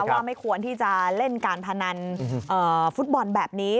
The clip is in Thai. ว่าไม่ควรที่จะเล่นการพนันฟุตบอลแบบนี้